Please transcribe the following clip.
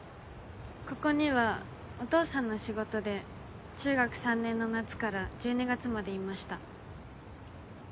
ここにはお父さんの仕事で中学３年の夏から１２月までいました。